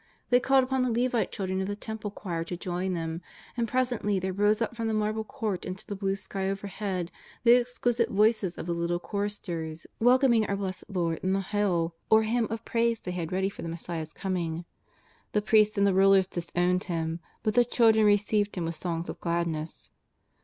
They called upon the Levite children of the Temple choir to join them, and presently there rose up from the marble Court into the blue sky overhead the ex quisite voices of the little choristers, welcoming our Blessed Lord in the Hallel, or hymn of praise they had ready for the Messiah's coming. The priests and the rulers disowned Him, but the children received Him with songs of gladness.